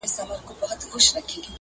o بخت په ټنډه دئ، نه په منډه٫